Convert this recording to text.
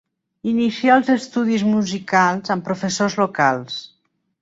Inicià els estudis musicals amb professors locals.